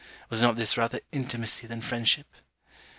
Was not this rather intimacy than friendship?